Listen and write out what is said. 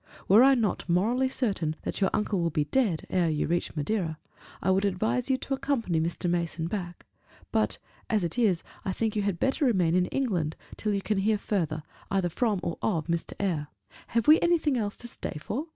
Were I not morally certain that your uncle will be dead ere you reach Madeira, I would advise you to accompany Mr. Mason back; but as it is, I think you had better remain in England till you can hear further, either from or of Mr. Eyre. Have we anything else to stay for?"